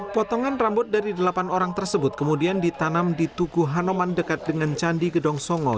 potongan rambut dari delapan orang tersebut kemudian ditanam di tugu hanoman dekat dengan candi gedong songo